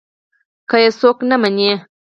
که يې څوک نه مني.